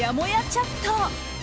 チャット。